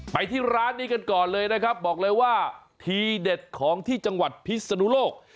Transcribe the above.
ไปที่ร้านนี้กันก่อนเลยนะครับบอกเลยว่าทีเด็ดของที่จังหวัดพิศนุโลก